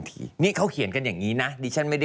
สงครรบอกยังไม่หย่า